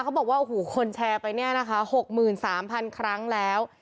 เขาบอกว่าโอ้โหคนแชร์ไปเนี่ยนะคะ๖๓๐๐๐ครั้งแล้ว